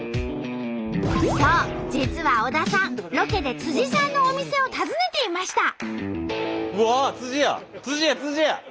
実は小田さんロケでさんのお店を訪ねていました。